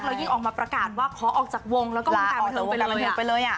แล้วยิ่งออกมาประกาศว่าขอออกจากวงแล้วก็วงการบันเทิงไปบันเทิงไปเลย